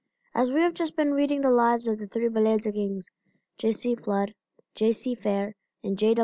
As we have just been reading the lives of the three bonanza kings, J. C. Flood, J. C. Fair and J.